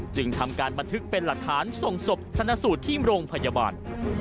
จึงทำการบันทึกเป็นหลักฐานส่งศพชนะสูตรที่โรงพยาบาล